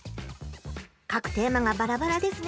書くテーマがバラバラですね。